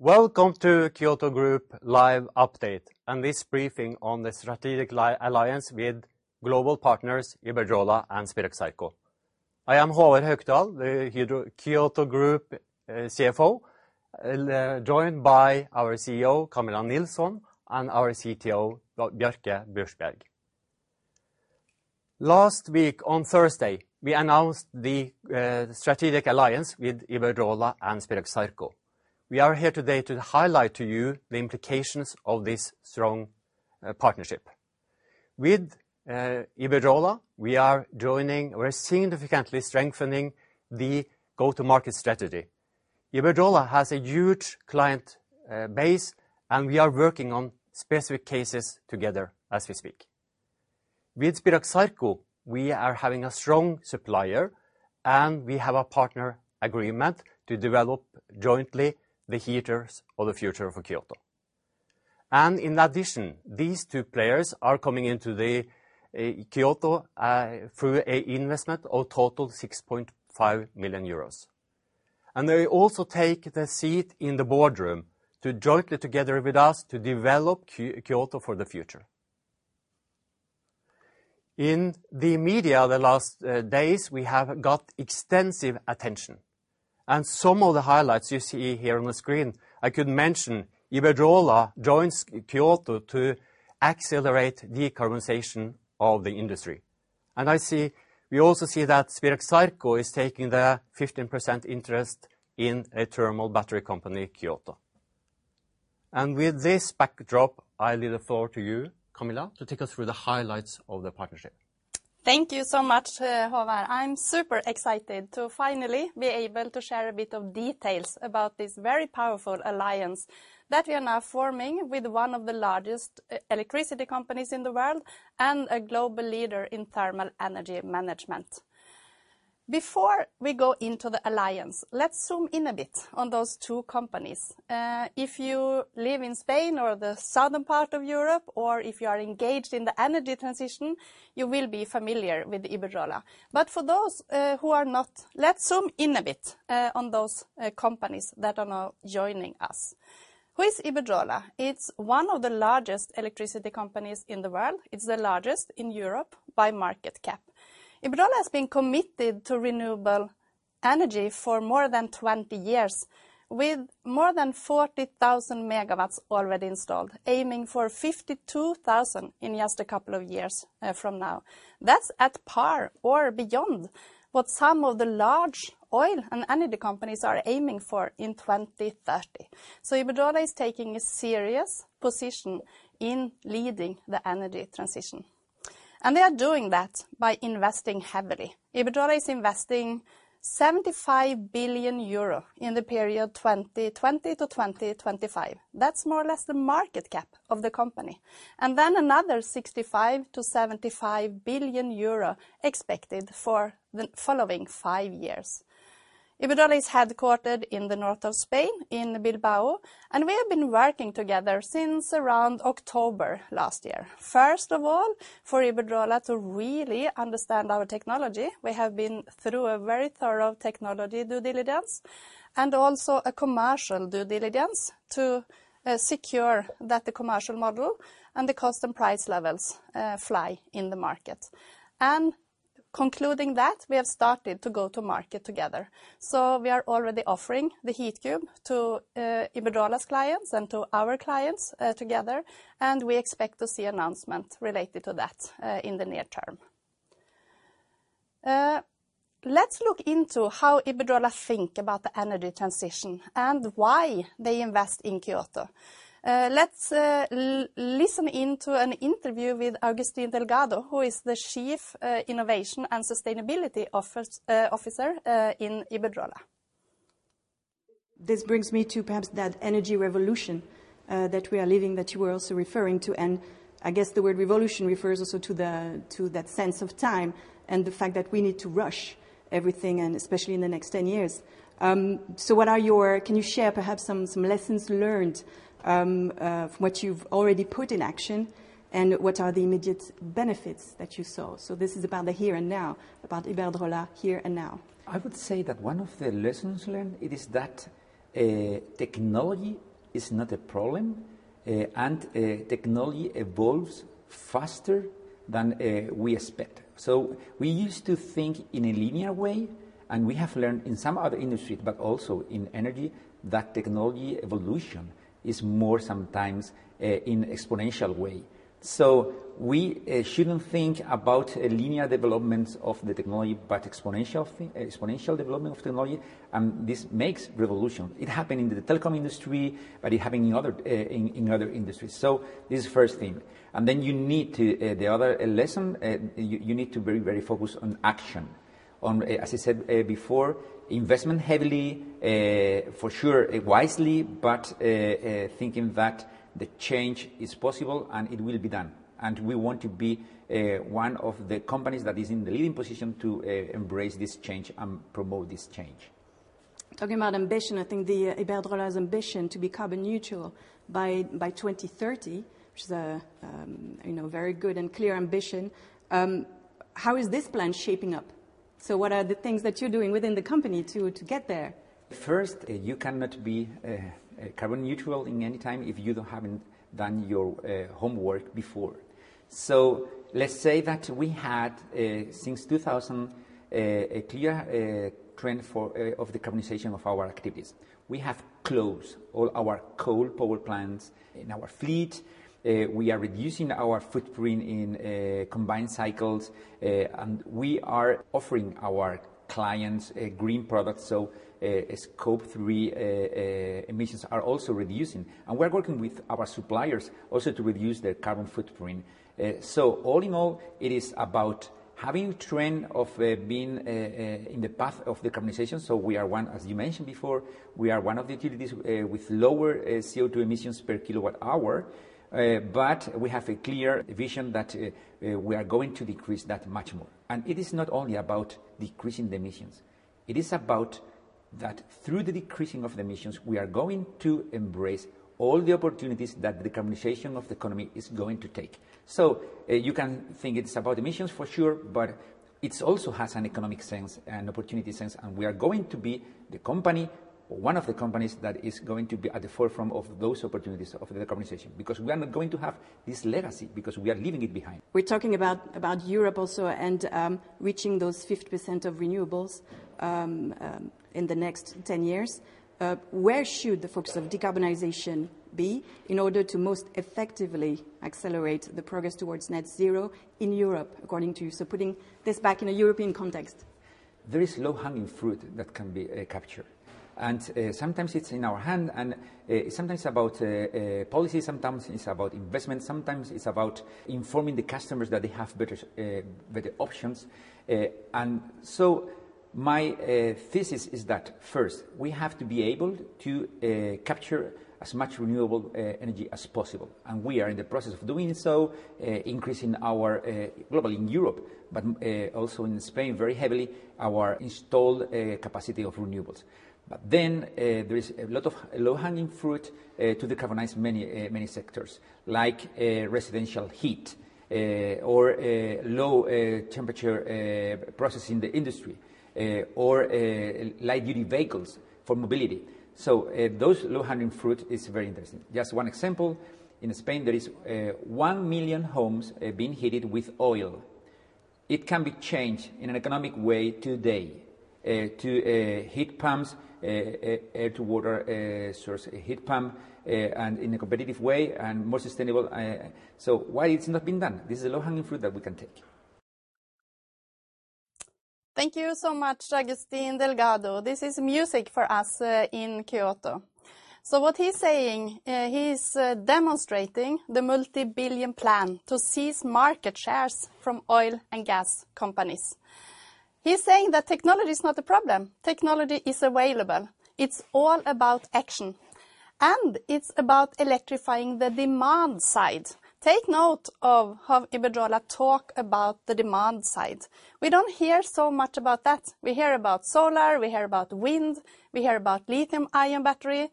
Welcome to Kyoto Group live update, this briefing on the strategic alliance with global partners, Iberdrola and Spirax-Sarco. I am Håvard Haukdal, the Kyoto Group CFO, joined by our CEO, Camilla Nilsson, and our CTO, Bjarke Buchbjerg. Last week, on Thursday, we announced the strategic alliance with Iberdrola and Spirax-Sarco. We are here today to highlight to you the implications of this strong partnership. With Iberdrola, we are significantly strengthening the go-to-market strategy. Iberdrola has a huge client base, we are working on specific cases together as we speak. With Spirax-Sarco, we are having a strong supplier, we have a partner agreement to develop jointly the heaters of the future for Kyoto Group. In addition, these two players are coming into the Kyoto through a investment of total 6.5 million euros. They also take the seat in the boardroom to jointly together with us to develop Kyoto for the future. In the media, the last days, we have got extensive attention. Some of the highlights you see here on the screen. I could mention Iberdrola joins Kyoto to accelerate decarbonization of the industry. We also see that Spirax-Sarco is taking their 15% interest in a thermal battery company, Kyoto. With this backdrop, I leave the floor to you, Camilla, to take us through the highlights of the partnership. Thank you so much, Håvard. I'm super excited to finally be able to share a bit of details about this very powerful alliance that we are now forming with one of the largest electricity companies in the world, and a global leader in thermal energy management. Before we go into the alliance, let's zoom in a bit on those two companies. If you live in Spain or the southern part of Europe, or if you are engaged in the energy transition, you will be familiar with Iberdrola. For those who are not, let's zoom in a bit on those companies that are now joining us. Who is Iberdrola? It's one of the largest electricity companies in the world. It's the largest in Europe by market cap. Iberdrola has been committed to renewable energy for more than 20 years, with more than 40,000 MW already installed, aiming for 52,000 MW in just a couple of years from now. That's at par or beyond what some of the large oil and energy companies are aiming for in 2030. Iberdrola is taking a serious position in leading the energy transition, and they are doing that by investing heavily. Iberdrola is investing 75 billion euro in the period 2020-2025. That's more or less the market cap of the company, and then another 65 billion-75 billion euro expected for the following five years. Iberdrola is headquartered in the north of Spain, in Bilbao, and we have been working together since around October last year. For Iberdrola to really understand our technology, we have been through a very thorough technology due diligence and also a commercial due diligence to secure that the commercial model and the cost and price levels fly in the market. Concluding that, we have started to go to market together. We are already offering the Heatcube to Iberdrola's clients and to our clients together, and we expect to see announcement related to that in the near term. Let's look into how Iberdrola think about the energy transition and why they invest in Kyoto. Let's listen into an interview with Agustín Delgado, who is the Chief Innovation and Sustainability Officer in Iberdrola. This brings me to perhaps that energy revolution, that we are living, that you were also referring to. I guess the word revolution refers also to that sense of time and the fact that we need to rush everything, and especially in the next 10 years. Can you share perhaps some lessons learned from what you've already put in action, and what are the immediate benefits that you saw? This is about the here and now, about Iberdrola here and now. I would say that one of the lessons learned it is that technology is not a problem, and technology evolves faster than we expect. We used to think in a linear way, and we have learned in some other industries, but also in energy, that technology evolution is more sometimes in exponential way. We shouldn't think about a linear development of the technology, but exponential development of technology, and this makes revolution. It happened in the telecom industry, but it happened in other, in other industries. This is first thing. You need to. The other lesson, you need to very, very focus on action, on, as I said before, investment heavily, for sure, wisely, but thinking that the change is possible and it will be done. We want to be one of the companies that is in the leading position to embrace this change and promote this change. Talking about ambition, I think the Iberdrola's ambition to be carbon neutral by 2030, which is a, you know, very good and clear ambition. How is this plan shaping up? What are the things that you're doing within the company to get there? First, you cannot be carbon neutral in any time if you don't haven't done your homework before. Let's say that we had since 2000, a clear trend for of the decarbonization of our activities. We have closed all our coal power plants in our fleet. We are reducing our footprint in combined cycles, and we are offering our clients a green product, so a Scope 3 emissions are also reducing. We're working with our suppliers also to reduce their carbon footprint. All in all, it is about having trend of being in the path of the decarbonization. We are one, as you mentioned before, we are one of the utilities with lower CO2 emissions per kWH. We have a clear vision that we are going to decrease that much more. It is not only about decreasing the emissions, it is about that through the decreasing of the emissions, we are going to embrace all the opportunities that the decarbonization of the economy is going to take. You can think it's about emissions for sure, but it also has an economic sense and opportunity sense, and we are going to be the company, or one of the companies, that is going to be at the forefront of those opportunities of the decarbonization. We are not going to have this legacy because we are leaving it behind. We're talking about Europe also and, reaching those 50% of renewables, in the next 10 years. Where should the focus of decarbonization be in order to most effectively accelerate the progress towards net zero in Europe, according to you? Putting this back in a European context. There is low-hanging fruit that can be captured. Sometimes it's in our hand, and sometimes about policy, sometimes it's about investment, sometimes it's about informing the customers that they have better options. My thesis is that, first, we have to be able to capture as much renewable energy as possible, and we are in the process of doing so, increasing our, globally in Europe, but also in Spain, very heavily, our installed capacity of renewables. There is a lot of low-hanging fruit to decarbonize many sectors, like residential heat, or low temperature processing the industry, or light-duty vehicles for mobility. Those low-hanging fruit is very interesting. Just one example, in Spain, there is 1 million homes being heated with oil. It can be changed in an economic way today to heat pumps, air-to-water source heat pump, and in a competitive way and more sustainable. Why it's not been done? This is a low-hanging fruit that we can take. Thank you so much, Agustín Delgado. This is music for us in Kyoto. What he's saying, he's demonstrating the multibillion plan to seize market shares from oil and gas companies. He's saying that technology is not the problem. Technology is available. It's all about action, and it's about electrifying the demand side. Take note of how Iberdrola talk about the demand side. We don't hear so much about that. We hear about solar, we hear about wind, we hear about lithium ion battery.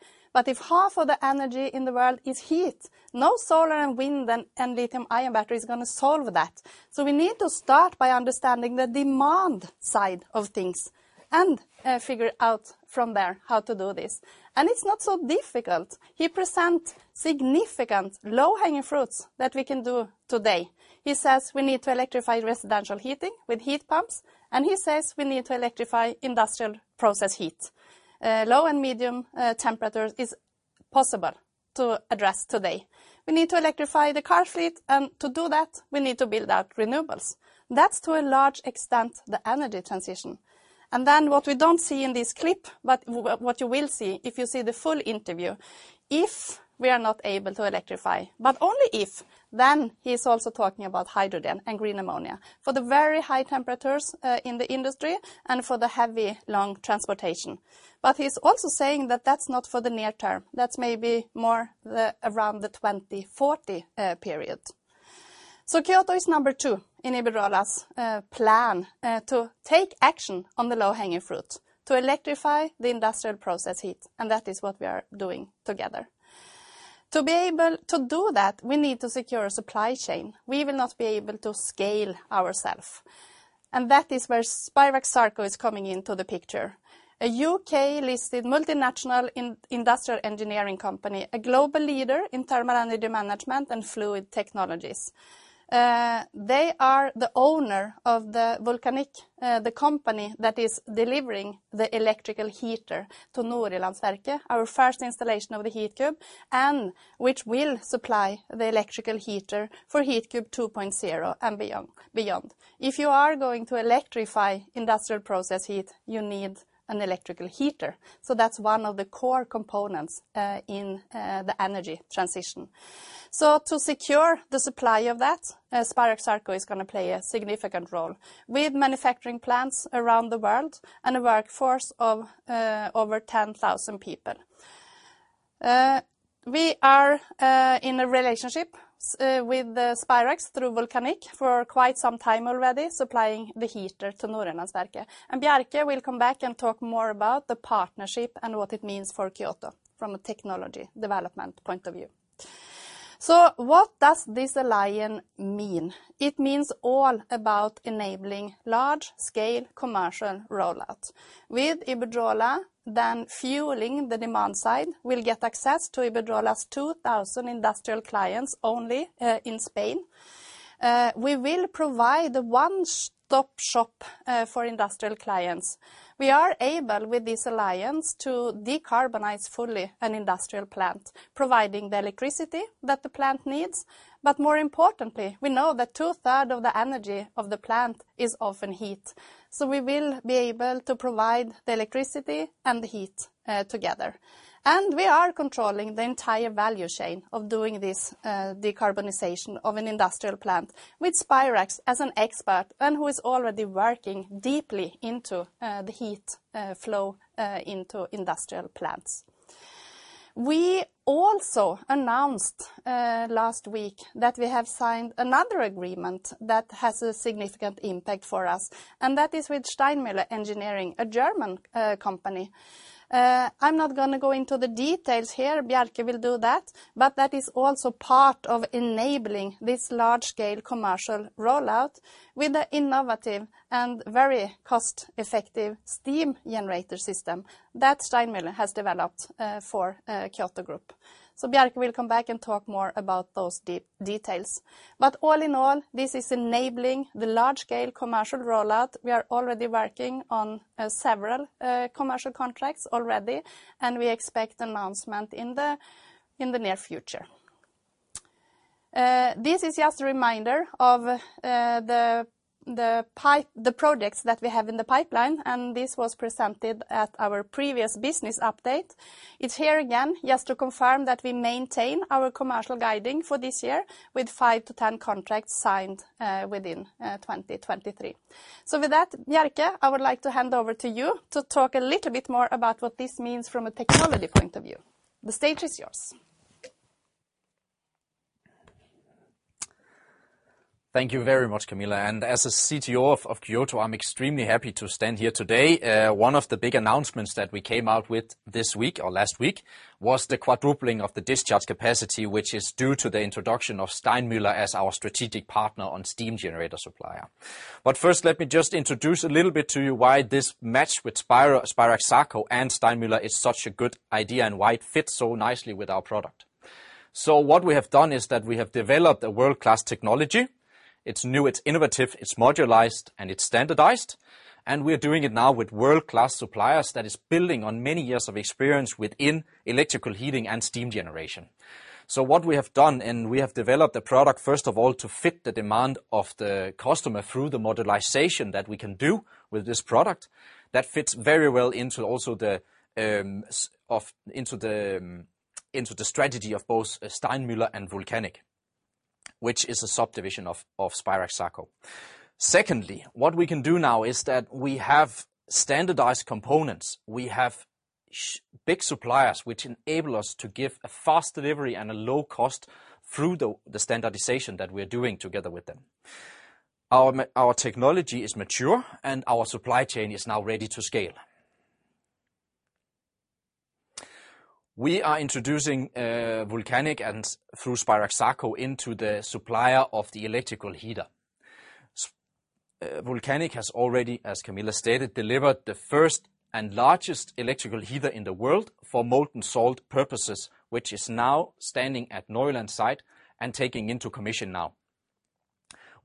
If half of the energy in the world is heat, no solar and wind and lithium ion battery is gonna solve that. We need to start by understanding the demand side of things and figure out from there how to do this. It's not so difficult. He present significant low-hanging fruits that we can do today. He says we need to electrify residential heating with heat pumps, and he says we need to electrify industrial process heat. Low and medium temperatures is possible to address today. To do that, we need to build out renewables. That's to a large extent the energy transition. What we don't see in this clip, but what you will see if you see the full interview, if we are not able to electrify, but only if, then he's also talking about hydrogen and green ammonia for the very high temperatures in the industry and for the heavy, long transportation. He's also saying that that's not for the near term. That's maybe more the around the 2040 period. Kyoto is number two in Iberdrola's plan to take action on the low-hanging fruit, to electrify the industrial process heat, and that is what we are doing together. To be able to do that, we need to secure a supply chain. We will not be able to scale ourself. That is where Spirax-Sarco is coming into the picture. A U.K. listed multinational industrial engineering company, a global leader in thermal energy management and fluid technologies. They are the owner of the Vulcanic, the company that is delivering the electrical heater to Nordjyllandsværket, our first installation of the Heatcube, and which will supply the electrical heater for Heatcube 2.0 and beyond. If you are going to electrify industrial process heat, you need an electrical heater. That's one of the core components in the energy transition. To secure the supply of that, Spirax-Sarco is gonna play a significant role. With manufacturing plants around the world and a workforce of over 10,000 people. We are in a relationship with the Spirax, through Vulcanic, for quite some time already, supplying the heater to Nordjyllandsværket. Bjarke will come back and talk more about the partnership and what it means for Kyoto from a technology development point of view. What does this alliance mean? It means all about enabling large-scale commercial rollout. With Iberdrola, then fueling the demand side, we'll get access to Iberdrola's 2,000 industrial clients only in Spain. We will provide the one-stop shop for industrial clients. We are able, with this alliance, to decarbonize fully an industrial plant, providing the electricity that the plant needs. More importantly, we know that 2/3 of the energy of the plant is often heat. We will be able to provide the electricity and the heat, together. We are controlling the entire value chain of doing this decarbonization of an industrial plant, with Spirax as an expert and who is already working deeply into the heat, flow, into industrial plants. We also announced last week that we have signed another agreement that has a significant impact for us. That is with Steinmüller Engineering, a German company. I'm not gonna go into the details here, Bjarke will do that, but that is also part of enabling this large-scale commercial rollout with an innovative and very cost-effective steam generator system that Steinmüller has developed for Kyoto Group. Bjarke will come back and talk more about those details. All in all, this is enabling the large-scale commercial rollout. We are already working on several commercial contracts already, and we expect announcement in the near future. This is just a reminder of the projects that we have in the pipeline, and this was presented at our previous business update. It's here again, just to confirm that we maintain our commercial guiding for this year, with 5-10 contracts signed within 2023. With that, Bjarke, I would like to hand over to you to talk a little bit more about what this means from a technology point of view. The stage is yours. Thank you very much, Camilla. As a CTO of Kyoto, I'm extremely happy to stand here today. One of the big announcements that we came out with this week or last week was the quadrupling of the discharge capacity, which is due to the introduction of Steinmüller as our strategic partner on steam generator supplier. First, let me just introduce a little bit to you why this match with Spirax-Sarco and Steinmüller is such a good idea, why it fits so nicely with our product. What we have done is that we have developed a world-class technology. It's new, it's innovative, it's modularized, it's standardized, and we are doing it now with world-class suppliers that is building on many years of experience within electrical heating and steam generation. What we have done, and we have developed a product, first of all, to fit the demand of the customer through the modularization that we can do with this product, that fits very well into also the into the strategy of both Steinmüller and Vulcanic, which is a subdivision of Spirax-Sarco. Secondly, what we can do now is that we have standardized components. We have big suppliers, which enable us to give a fast delivery and a low cost through the standardization that we are doing together with them. Our technology is mature, and our supply chain is now ready to scale. We are introducing Vulcanic and through Spirax-Sarco into the supplier of the electrical heater. Vulcanic has already, as Camilla stated, delivered the first and largest electrical heater in the world for molten salt purposes, which is now standing at Nordjyllandsværket site and taking into commission now.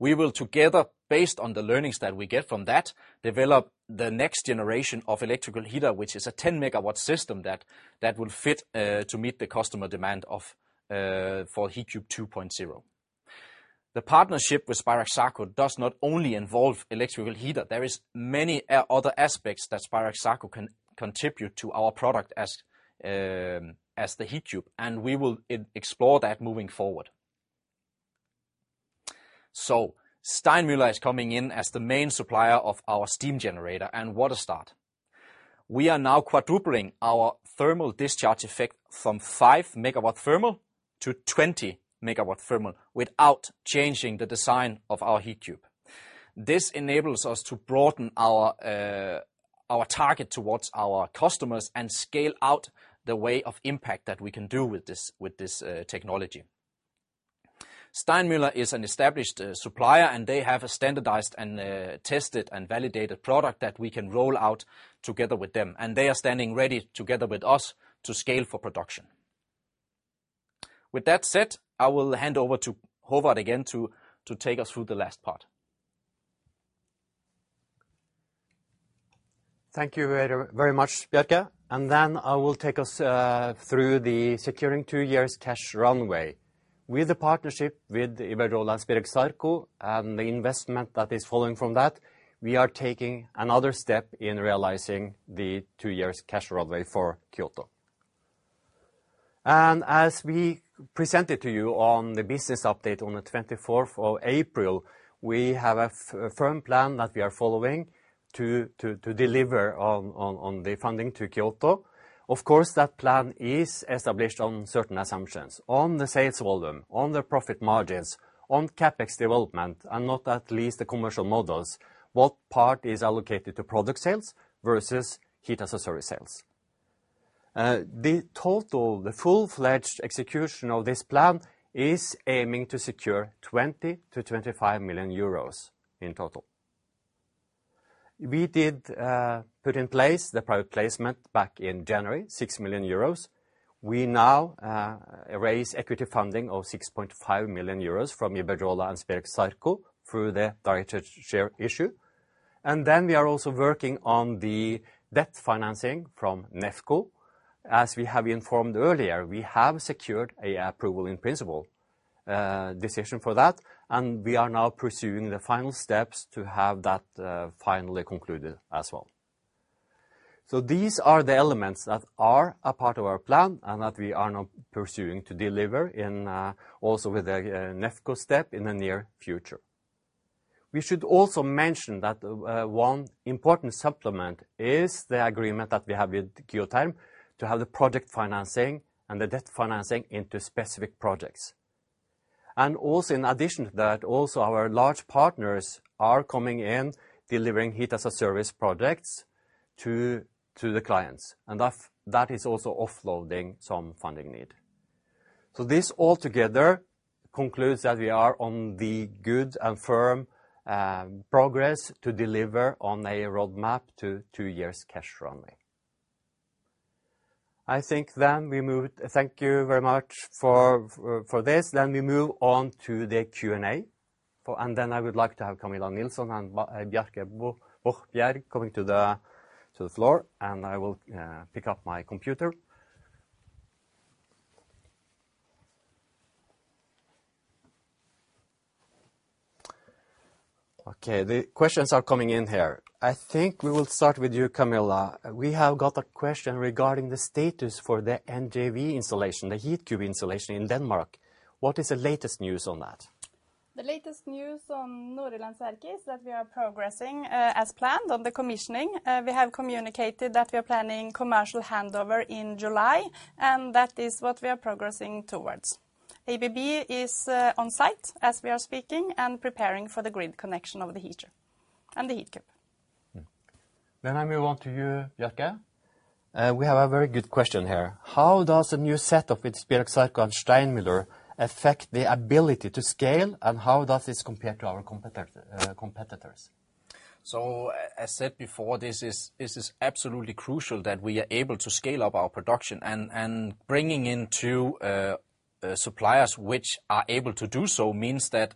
We will, together, based on the learnings that we get from that, develop the next generation of electrical heater, which is a 10 MW system that will fit to meet the customer demand for Heatcube 2.0. The partnership with Spirax-Sarco does not only involve electrical heater. There is many other aspects that Spirax-Sarco can contribute to our product as the Heatcube, and we will explore that moving forward. Steinmüller is coming in as the main supplier of our steam generator and warm start. We are now quadrupling our thermal discharge effect from 5 MW thermal-20 MW thermal without changing the design of our Heatcube. This enables us to broaden our target towards our customers and scale out the way of impact that we can do with this technology. Steinmüller is an established supplier, and they have a standardized and tested and validated product that we can roll out together with them, and they are standing ready together with us to scale for production. With that said, I will hand over to Håvard again to take us through the last part. Thank you very, very much, Bjarke. Then I will take us through the securing two years' cash runway. With the partnership with Iberdrola and Spirax-Sarco Engineering and the investment that is following from that, we are taking another step in realizing the two years' cash runway for Kyoto. As we presented to you on the business update on the 24th of April, we have a firm plan that we are following to deliver on the funding to Kyoto. Of course, that plan is established on certain assumptions, on the sales volume, on the profit margins, on CapEx development, and not at least the commercial models, what part is allocated to product sales versus Heat-as-a-Service sales? The total, the full-fledged execution of this plan is aiming to secure 20 million-25 million euros in total. We did put in place the private placement back in January, 6 million euros. We now raise equity funding of 6.5 million euros from Iberdrola and Spirax-Sarco through the directed share issue. We are also working on the debt financing from Nefco. As we have informed earlier, we have secured a approval in principle decision for that, and we are now pursuing the final steps to have that finally concluded as well. These are the elements that are a part of our plan and that we are now pursuing to deliver in also with a Nefco step in the near future. We should also mention that one important supplement is the agreement that we have with Kyotherm to have the project financing and the debt financing into specific projects. Also in addition to that, also our large partners are coming in, delivering Heat-as-a-Service projects to the clients, and that is also offloading some funding need. This all together concludes that we are on the good and firm progress to deliver on a roadmap to two years cash runway. I think Thank you very much for this. We move on to the Q&A, I would like to have Camilla Nilsson and Bjarke Buchbjerg coming to the floor, and I will pick up my computer. The questions are coming in here. I think we will start with you, Camilla. We have got a question regarding the status for the NJV installation, the Heatcube installation in Denmark. What is the latest news on that? The latest news on Nordjyllandsværket is that we are progressing as planned on the commissioning. We have communicated that we are planning commercial handover in July, and that is what we are progressing towards. ABB is on site as we are speaking and preparing for the grid connection of the heater and the Heatcube. I move on to you, Bjarke. We have a very good question here: How does the new setup with Spirax-Sarco and Steinmüller affect the ability to scale, and how does this compare to our competitors? As said before, this is absolutely crucial that we are able to scale up our production, and bringing in two suppliers which are able to do so means that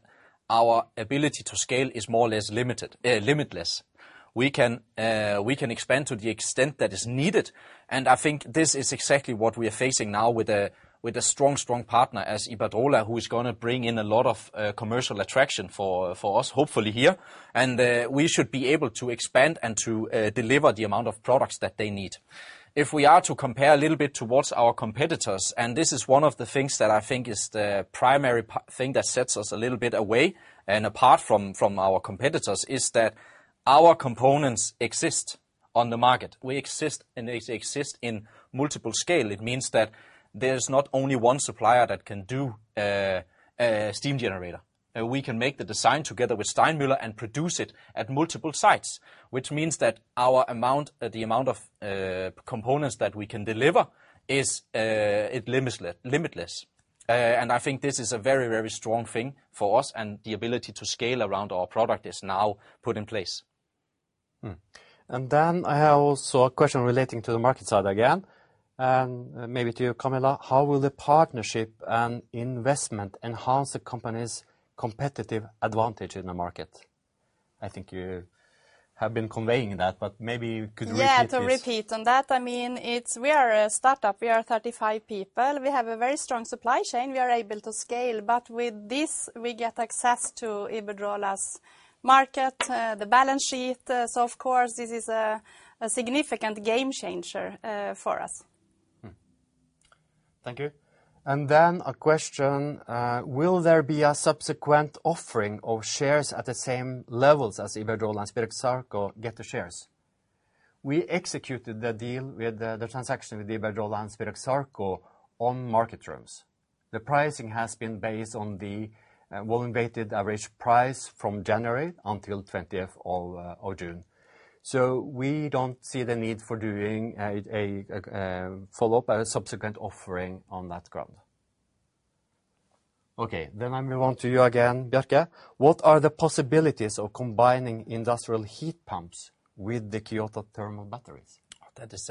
our ability to scale is more or less limited, limitless. We can expand to the extent that is needed, and I think this is exactly what we are facing now with a strong partner as Iberdrola, who is going to bring in a lot of commercial attraction for us, hopefully here. We should be able to expand and to deliver the amount of products that they need. If we are to compare a little bit towards our competitors, this is one of the things that I think is the primary thing that sets us a little bit away and apart from our competitors, is that our components exist on the market. We exist, and they exist in multiple scale. It means that there's not only one supplier that can do a steam generator. We can make the design together with Steinmüller and produce it at multiple sites, which means that our amount, the amount of components that we can deliver is limitless. I think this is a very, very strong thing for us, and the ability to scale around our product is now put in place. I have also a question relating to the market side again, and maybe to you, Camilla: How will the partnership and investment enhance the company's competitive advantage in the market? I think you have been conveying that, but maybe you could repeat this. Yeah, to repeat on that, I mean, we are a startup. We are 35 people. We have a very strong supply chain. We are able to scale, but with this, we get access to Iberdrola's market, the balance sheet. Of course, this is a significant game changer for us. Thank you. A question: Will there be a subsequent offering of shares at the same levels as Iberdrola and Spirax-Sarco Engineering get the shares? We executed the deal with the transaction with Iberdrola and Spirax-Sarco Engineering on market terms. The pricing has been based on the volume-weighted average price from January until 20th of June. We don't see the need for doing a follow-up, a subsequent offering on that ground. Okay, I move on to you again, Bjarke. What are the possibilities of combining industrial heat pumps with the Kyoto thermal batteries? That is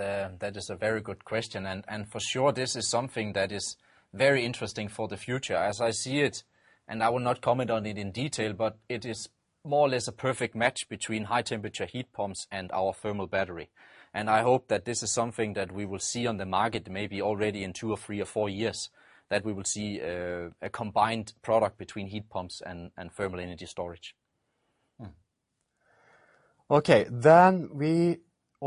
a very good question, and for sure, this is something that is very interesting for the future. As I see it, and I will not comment on it in detail, but it is more or less a perfect match between high-temperature heat pumps and our thermal battery. I hope that this is something that we will see on the market, maybe already in two or three or four years, that we will see a combined product between heat pumps and thermal energy storage. We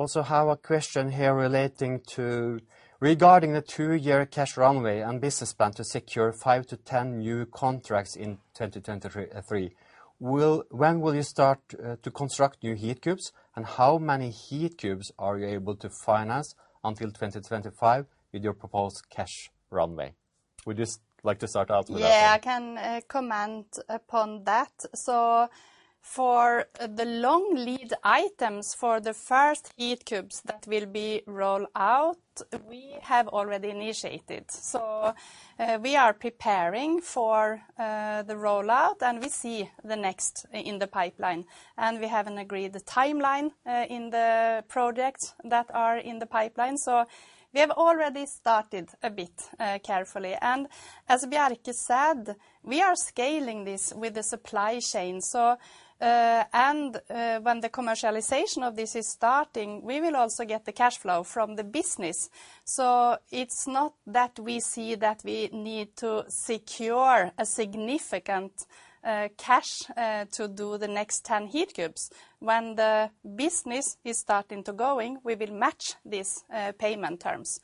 also have a question here relating to, regarding the two-year cash runway and business plan to secure 5-10 new contracts in 2023, when will you start to construct new Heatcubes, and how many Heatcubes are you able to finance until 2025 with your proposed cash runway? Would you like to start out with that? I can comment upon that. For the long lead items, for the first Heatcubes that will be rolled out, we have already initiated. We are preparing for the rollout, and we see the next in the pipeline, and we have an agreed timeline in the projects that are in the pipeline. We have already started a bit carefully. As Bjarke said, we are scaling this with the supply chain. When the commercialization of this is starting, we will also get the cash flow from the business. It's not that we see that we need to secure a significant cash to do the next 10 Heatcubes. When the business is starting to going, we will match these payment terms.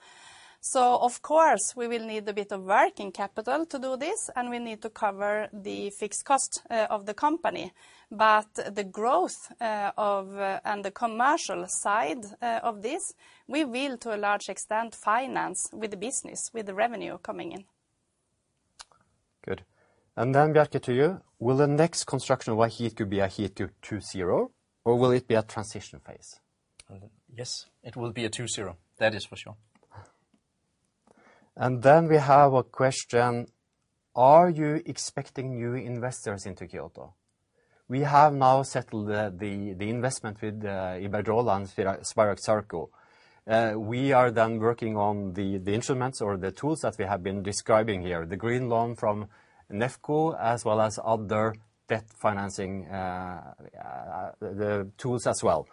Of course, we will need a bit of working capital to do this, and we need to cover the fixed cost of the company. The growth of, and the commercial side of this, we will, to a large extent, finance with the business, with the revenue coming in. Good. Bjarke, to you: Will the next construction of a Heatcube be a Heatcube 2.0, or will it be a transition phase? Yes, it will be a 2.0. That is for sure. We have a question: Are you expecting new investors into Kyoto? We have now settled the investment with Iberdrola and Spirax-Sarco Engineering. We are working on the instruments or the tools that we have been describing here, the green loan from Nefco as well as other debt financing tools as well.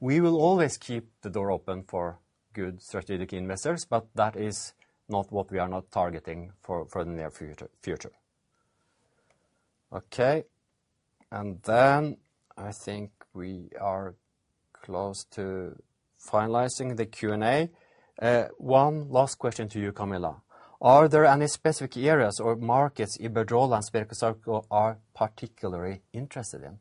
We will always keep the door open for good strategic investors, that is not what we are not targeting for the near future. Then I think we are close to finalizing the Q&A. One last question to you, Camilla. Are there any specific areas or markets Iberdrola and Spirax-Sarco Engineering are particularly interested in?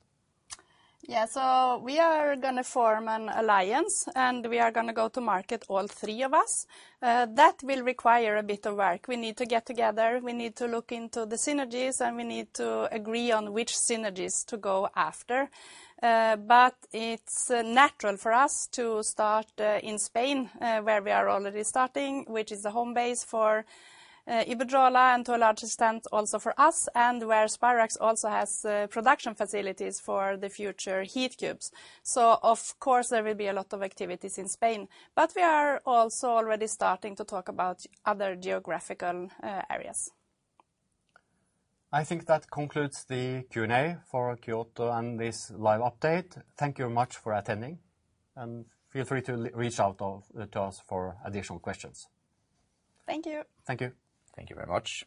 Yeah, we are going to form an alliance, and we are going to go to market, all three of us. That will require a bit of work. We need to get together, we need to look into the synergies, and we need to agree on which synergies to go after. It's natural for us to start in Spain, where we are already starting, which is a home base for Iberdrola, and to a large extent, also for us, and where Spirax also has production facilities for the future Heatcubes. Of course, there will be a lot of activities in Spain, but we are also already starting to talk about other geographical areas. I think that concludes the Q&A for Kyoto and this live update. Thank you much for attending, and feel free to reach out to us for additional questions. Thank you. Thank you. Thank you very much.